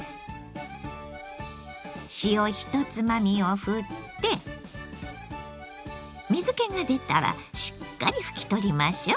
塩１つまみをふって水けが出たらしっかり拭き取りましょ。